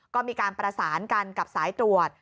ก็มีการประสานกันกับสายตรวจ